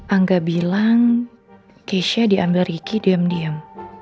angga bilang keisha diambil ricky diam diam